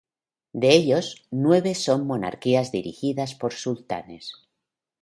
De ellos, nueve son monarquías dirigidas por sultanes.